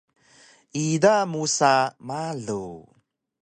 ida musa malu